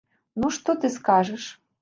Ну, што ты скажаш?